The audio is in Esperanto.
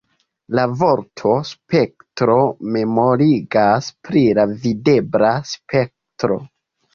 La vorto ""spektro"" memorigas pri la videbla spektro.